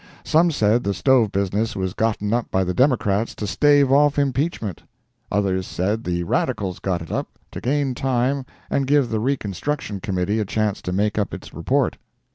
Some said the stove business was gotten up by the Democrats to stave off impeachment; others said the Radicals got it up to gain time and give the Reconstruction Committee a chance to make up its report.